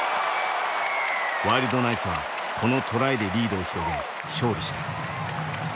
ワイルドナイツはこのトライでリードを広げ勝利した。